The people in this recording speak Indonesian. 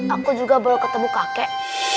aku juga baru ketemu kakek